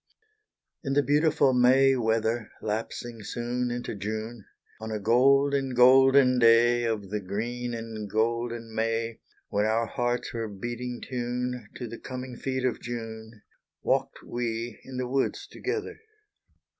In the beautiful May weather, Lapsing soon into June; On a golden, golden day Of the green and golden May, When our hearts were beating tune To the coming feet of June, Walked we in the woods together.